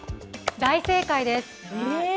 大正解です。